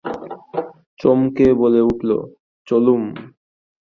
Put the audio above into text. চমকে বলে উঠল, চললুম।